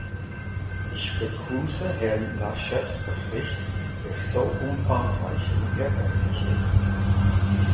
Ich begrüße Herrn Laschets Bericht, der so umfangreich und ehrgeizig ist.